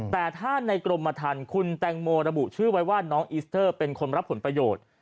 แต่ถ้าในกรมทันคุณแตงโมระบุชื่อไว้ว่าน้องอิสเตอร์เป็นคนรับผลประโยชน์